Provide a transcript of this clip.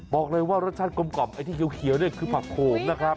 บอกเลยว่ารสชาติกลมไอ้ที่เขียวเนี่ยคือผักโขมนะครับ